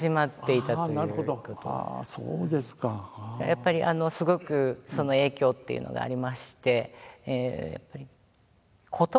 やっぱりすごくその影響っていうのがありまして。